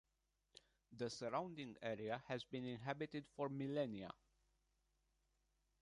The surrounding area has been inhabited for millennia.